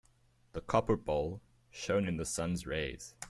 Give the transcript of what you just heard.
The copper bowl shone in the sun's rays.